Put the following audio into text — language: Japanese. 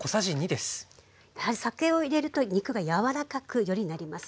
酒を入れると肉が柔らかくよりなります。